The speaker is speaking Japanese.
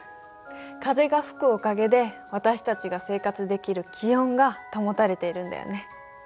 風が吹くおかげで私たちが生活できる気温が保たれているんだよね。